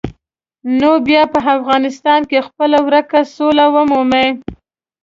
نو بیا به افغانستان خپله ورکه سوله ومومي.